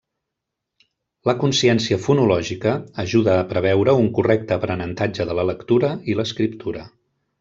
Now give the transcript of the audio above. La consciència fonològica ajuda a preveure un correcte aprenentatge de la lectura i l’escriptura.